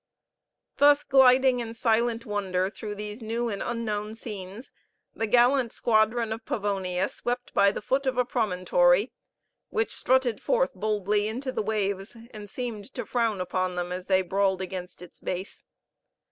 Thus gliding in silent wonder through these new and unknown scenes, the gallant squadron of Pavonia swept by the foot of a promontory, which strutted forth boldly into the waves, and seemed to frown upon them as they brawled against its base.